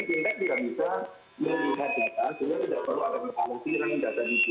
nah ini yang perlu saya jelaskan pada malam hari ini